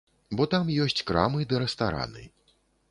Бо там ёсць крамы ды рэстараны.